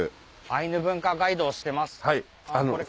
アイヌ文化ガイドをしてます。